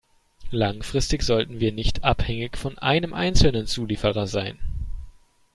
Langfristig sollten wir nicht abhängig von einem einzelnen Zulieferer sein.